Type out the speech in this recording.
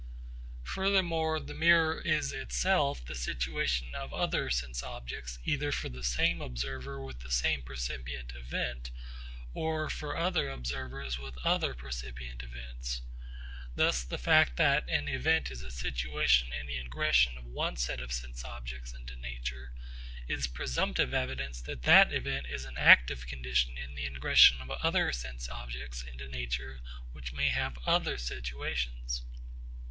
Furthermore the mirror is itself the situation of other sense objects either for the same observer with the same percipient event, or for other observers with other percipient events. Thus the fact that an event is a situation in the ingression of one set of sense objects into nature is presumptive evidence that that event is an active condition in the ingression of other sense objects into nature which may have other situations.